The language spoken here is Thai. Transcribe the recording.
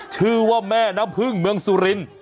ชื่อว่าแม่น้ำพึ่งเมืองสุรินทร์